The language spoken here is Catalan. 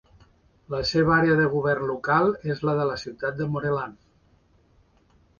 La seva àrea de govern local és la de la ciutat de Moreland.